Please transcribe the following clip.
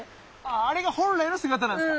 あれが本来の姿なんですか！